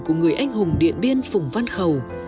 của người anh hùng điện biên phùng văn khẩu